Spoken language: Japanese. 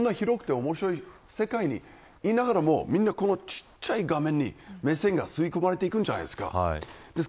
こんな広くて面白い世界にいながらもちっちゃい画面に目線が吸い込まれていくじゃないですか。